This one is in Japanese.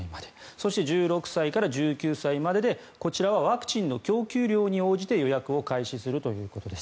そして、１６歳から１９歳まででこちらはワクチンの供給量に応じて予約を開始するということです。